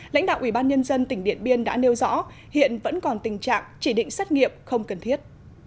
lãnh đạo ủy ban nhân dân tỉnh điện biên đã nêu rõ hiện vẫn còn tình trạng chỉ định xét nghiệm không cần thiết